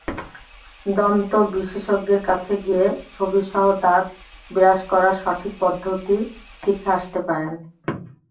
দন্তবিশেষজ্ঞের কাছে গিয়ে ছবিসহ দাঁত ব্রাশ করার সঠিক পদ্ধতি শিখে আসতে পারেন।